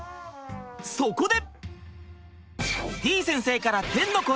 そこで。